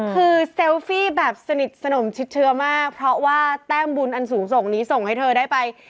คือเซลฟี่แบบสนิทสนมชิดเชื้อมากเพราะว่าแต้มบุญอันสูงส่งนี้ส่งให้เธอได้ไป